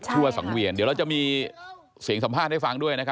ทั่วสังเวียนเดี๋ยวเราจะมีเสียงสัมภาษณ์ให้ฟังด้วยนะครับ